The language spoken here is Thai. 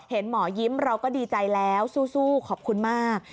หมอยิ้มเราก็ดีใจแล้วสู้ขอบคุณมาก